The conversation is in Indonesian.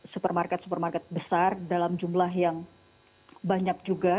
supermarket supermarket besar dalam jumlah yang banyak juga